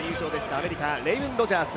アメリカ、レイブン・ロジャース。